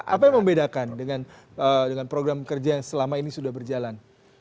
apa yang membedakan dengan program kerja yang selama ini sudah berjalan